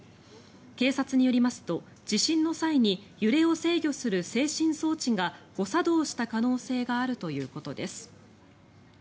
警察によりますと、地震の際に揺れを制御する制振装置が誤作動した可能性があるということです。